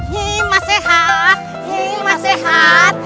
nyilma sehat nyilma sehat